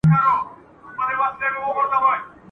ستا په خوله کي مي د ژوند وروستی ساعت وو !.